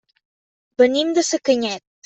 Venim de Sacanyet.